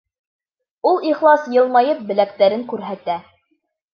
Ул, ихлас йылмайып, беләктәрен күрһәтә.